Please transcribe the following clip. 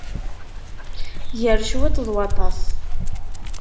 Gar cwiṭ, d waṭas.